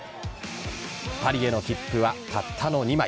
パリへの切符はたったの２枚。